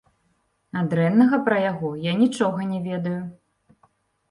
А дрэннага пра яго я нічога не ведаю.